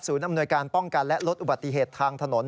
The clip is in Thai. อำนวยการป้องกันและลดอุบัติเหตุทางถนน